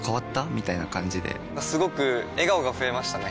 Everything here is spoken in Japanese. みたいな感じですごく笑顔が増えましたね！